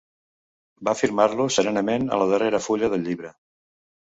Va firmar-lo serenament a la darrera fulla del llibre